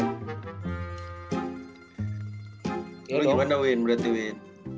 kalau gimana win berarti win